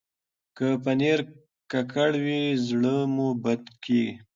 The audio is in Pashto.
که پنېر ککړ وي، زړه مو بد کېږي.